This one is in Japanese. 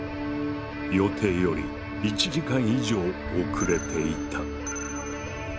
予定より１時間以上遅れていた。